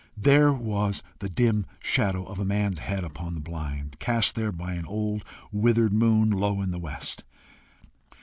There was the dim shadow of a man's head upon the blind, cast there by an old withered moon low in the west!